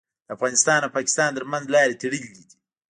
د افغانستان او پاکستان ترمنځ لارې تړلي دي.